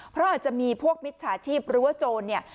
เพราะอาจจะมีพวกมิจฉาชีพหรือว่าโจรเนี่ย